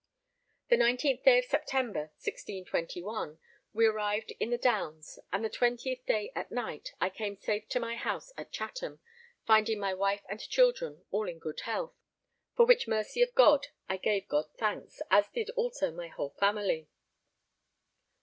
The 19th day of September, 1621, we arrived in the Downs, and the 20th day at night, I came safe to my house at Chatham, finding my wife and children all in good health, for which mercy of God I gave God thanks, as did also my whole family.